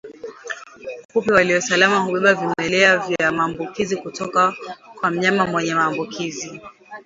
Kupe walio salama hubeba vimelea vya maambukizi kutoka kwa mnyama mwenye maambukizi